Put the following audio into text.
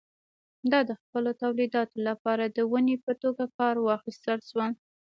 دا د خپلو تولیداتو لپاره د ونې په توګه کار واخیستل شول.